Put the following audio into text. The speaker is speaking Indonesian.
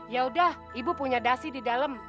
yaudah ibu punya dasi di dalam